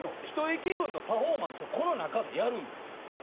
１駅分のパフォーマンスをこの中でやるんですよ。